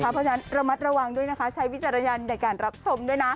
เพราะฉะนั้นระมัดระวังด้วยนะคะใช้วิจารณญาณในการรับชมด้วยนะ